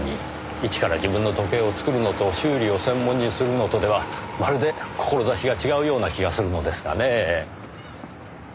一から自分の時計を作るのと修理を専門にするのとではまるで志が違うような気がするのですがねえ。